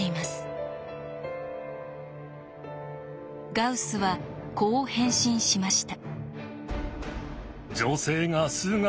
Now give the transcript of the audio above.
ガウスはこう返信しました。